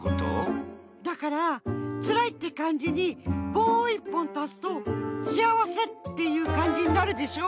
だから「つらい」ってかんじにぼうをいっぽんたすと「幸せ」っていうかんじになるでしょ？